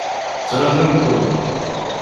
Ttrajun-kun.